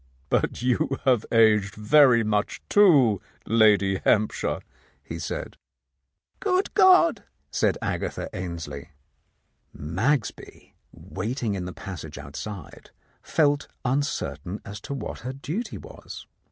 "But you have aged very much, too, Lady Hamp shire," he said. "Good God I" said Agatha Ainslie. Magsby, waiting in the passage outside, felt un certain as to what her duty was.